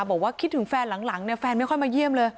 บอกว่าคิดถึงแฟนหลังเนี่ยแฟนไม่ค่อยมาเยี่ยมเลย